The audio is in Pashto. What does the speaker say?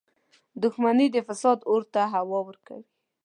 • دښمني د فساد اور ته هوا ورکوي.